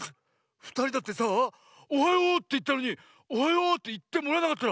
ふたりだってさあ「おはよう」っていったのに「おはよう」っていってもらえなかったらこんなさみしいことってないよね？